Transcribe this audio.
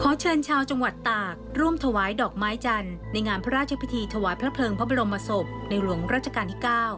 เชิญชาวจังหวัดตากร่วมถวายดอกไม้จันทร์ในงานพระราชพิธีถวายพระเพลิงพระบรมศพในหลวงราชการที่๙